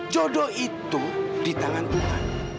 jodoh itu di tangan tuhan